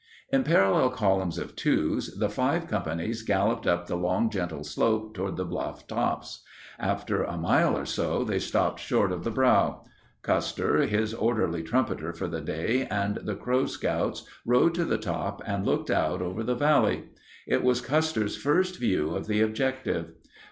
In parallel columns of twos, the five companies galloped up the long gentle slope toward the bluff tops. After a mile or so they halted short of the brow. Custer, his orderly trumpeter for the day, and the Crow scouts rode to the top and looked out over the valley. It was Custer's first view of the objective.